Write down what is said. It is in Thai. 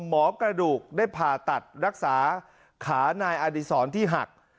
หมอกระดูกได้ผ่าตัดรักษาขานายอดีศรที่หัก